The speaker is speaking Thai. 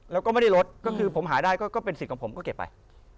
แล้วก็ไม่ได้ลดก็คือผมหาได้ก็เป็นสิทธิ์ของผมก็เก็บไป